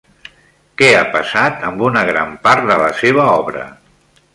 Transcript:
Què ha passat amb una gran part de la seva obra?